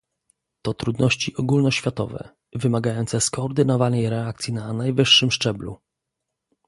To trudności ogólnoświatowe, wymagające skoordynowanej reakcji na najwyższym szczeblu